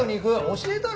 教えたろ？